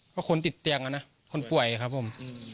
ก็คนติดเตียงอะนะคนป่วยครับผม